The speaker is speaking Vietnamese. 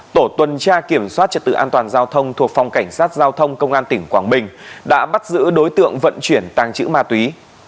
tổ tuần tra kiểm soát trật tự an toàn giao thông thuộc phòng cảnh sát giao thông công an tỉnh quảng bình đã bắt giữ đối tượng vận chuyển tàng trữ ma túy